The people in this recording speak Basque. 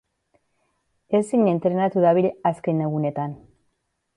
Ezin entrenatu dabil azken egunetan.